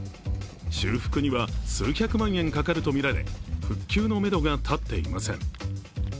修復には数百万円かかるとみられ、復旧のめどが立っていません。